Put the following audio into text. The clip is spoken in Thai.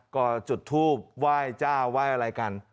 ก็จุดทูบไหว้เจ้าไหว้อะไรกัน